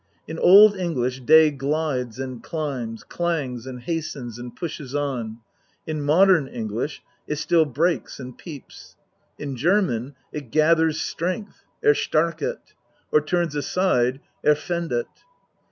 In Old EngKsh, Day glides and climbs, clangs and hastens and pushes on ; in modern English, it still breaks and peeps. In German, it gathers strength (erstarket) or turns aside (ervendet).